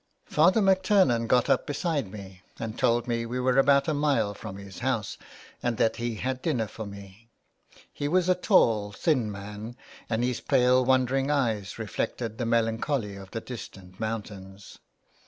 Father McTurnan got up beside me and told me we were about a mile from his house, and that he had dinner for me. He was a tall thin man, and his pale wandering eyes reflected the melancholy of the distant mountains.